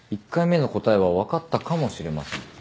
１回目の答えは分かったかもしれません。